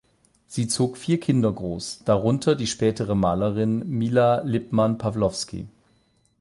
Sie zog vier Kinder groß, darunter die spätere Malerin Mila Lippmann-Pawlowski.